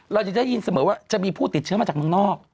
เราจะได้ยินเสมอว่าจะมีผู้ติดเชื้อมาจากเมืองนอก